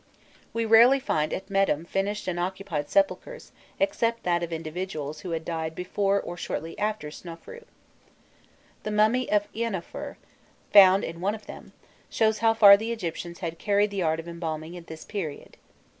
We rarely find at Mêdûm finished and occupied sepulchres except that of individuals who had died before or shortly after Snofrûi. The mummy of Eânofir, found in one of them, shows how far the Egyptians had carried the art of embalming at this period.